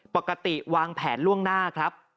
ปกติวางแผนล่วงหน้าครับ